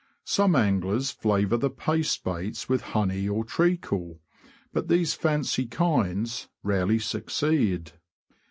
Some anglers flavour the paste baits with honey or treacle ; but these fancy kinds rarely succeed.